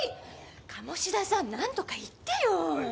鴨志田さん何とか言ってよー！